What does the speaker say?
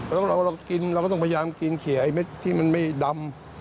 แล้วเรากินเราก็ต้องพยายามกินเขียไอ้เม็ดที่มันไม่ดำ